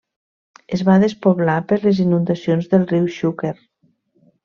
Es va despoblar per les inundacions del riu Xúquer.